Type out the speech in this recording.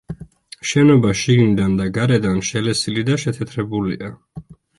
შენობა შიგნიდან და გარედან შელესილი და შეთეთრებულია.